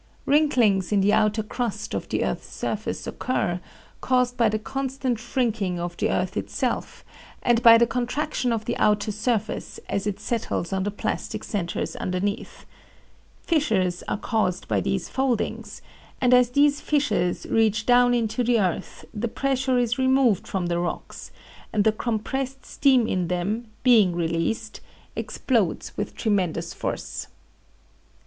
Wrinklings in the outer crust of the earth's surface occur, caused by the constant shrinking of the earth itself and by the contraction of the outer surface as it settles on the plastic centers underneath. Fissures are caused by these foldings, and as these fissures reach down into the earth the pressure is removed from the rocks and the compressed steam in them, being released, explodes with tremendous force."